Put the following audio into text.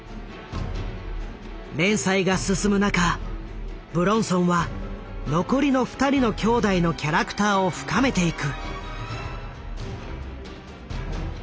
連載が進む中武論尊は残りの２人の兄弟のキャラクターを深めていく。